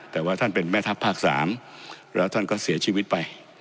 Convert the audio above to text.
แต่ว่าท่านเป็นแม่ทัพภาค๓แล้วท่านก็เสียชีวิตไป